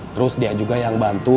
terus dia juga yang bantu